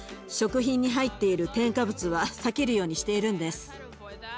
食品に入っている添加物は避けるようにしているんです。